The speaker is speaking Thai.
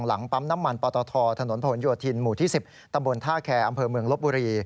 หลังปั๊มน้ำมันปตทถนนผลโยธินหมู่ที่๑๐ตำบลท่าแคร์อำเภอเมืองลบบุรี